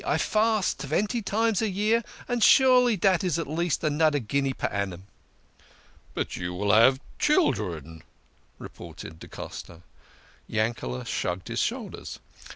I fast twenty times a year, and surely dat is at least anoder guinea per annum." " But you will have children," retorted da Costa. Yankele shrugged his shoulders.